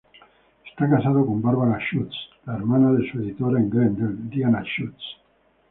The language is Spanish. Está casado con Barbara Schutz, la hermana de su editora en Grendel, Diana Schutz.